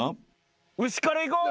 牛からいこう。